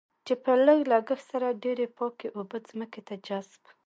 چې په لږ لګښت سره ډېرې پاکې اوبه ځمکې ته جذب.